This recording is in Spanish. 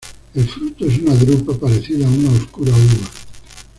El fruto es una drupa, parecida a una oscura uva.